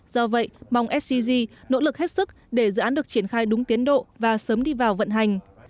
do vậy mong scg nỗ lực hết sức để dự án được triển khai đúng tiến độ và sớm đi vào vận hành